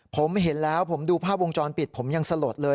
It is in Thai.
ผมเห็นแล้วผมดูภาพวงจรปิดผมยังสลดเลย